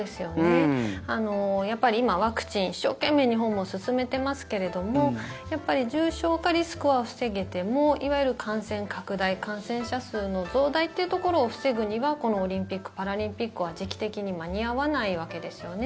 やっぱり、今ワクチン一生懸命日本も進めていますけれどもやっぱり重症化リスクは防げてもいわゆる感染拡大感染者数の増大というところを防ぐにはこのオリンピック・パラリンピックは時期的に間に合わないわけですよね。